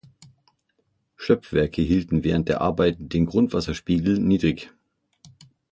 Schöpfwerke hielten während der Arbeiten den Grundwasserspiegel niedrig.